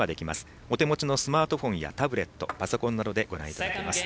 お手持ちのスマートフォンやタブレット、パソコンなどでご覧いただけます。